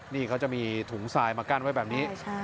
นี่เขาจะมีถุงทรายมากั้นไว้แบบนี้